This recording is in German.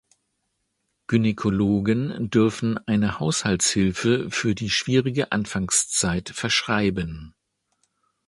Gynäkologen dürfen eine Haushaltshilfe für die schwierigere Anfangszeit verschreiben.